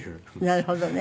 なるほどね。